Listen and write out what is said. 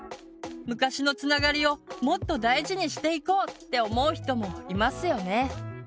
昔のつながりをもっと大事にしていこうって思う人もいますよね。